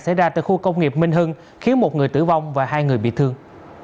xảy ra tại khu công nghiệp minh hưng khiến một người tử vong và hai người bị thương